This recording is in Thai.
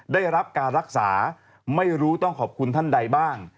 ได้รับการรักษาไม่รู้ต้องขอบคุณท่านใดบ้าง